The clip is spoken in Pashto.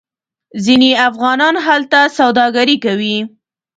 ځینې افغانان هلته سوداګري کوي.